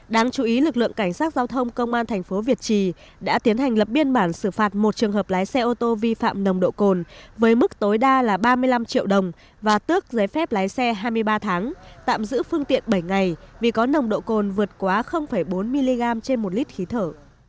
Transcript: đáng chú ý lực lượng cảnh sát giao thông công an thành phố việt trì đã tiến hành lập biên bản xử phạt một trường hợp lái xe ô tô vi phạm nồng độ cồn với mức tối đa là ba mươi năm triệu đồng và tước giấy phép lái xe hai mươi ba tháng tạm giữ phương tiện bảy ngày vì có nồng độ cồn vượt quá bốn mg trên một lít khí thở